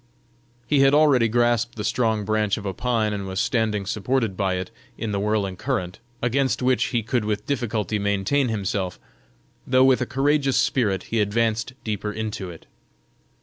He had already grasped the strong branch of a pine, and was standing supported by it, in the whirling current, against which he could with difficulty maintain himself; though with a courageous spirit he advanced deeper into it.